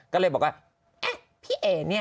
ก็เลยบอกว่าพี่แอนเนี่ย